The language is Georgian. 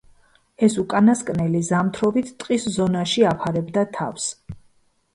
ეს უკანასკნელი ზამთრობით ტყის ზონაში აფარებდა თავს.